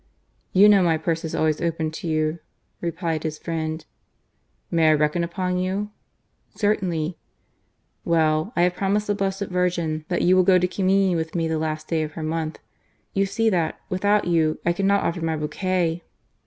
"You know my purse is always open to you," replied his friend. " May I reckon upon you ?"" Certainly." " Well, THE TRUE CHRISTIAN. 279 I have promised the Blessed Virgin that you will go to Commmiion with me the last day of her month. You see that, without you, I cannot offer my bouquet